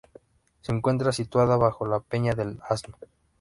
Se encuentra situada bajo La Peña del Asno.